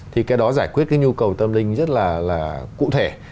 thì cái đó giải quyết cái nhu cầu tâm linh rất là cụ thể